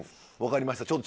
分かりました。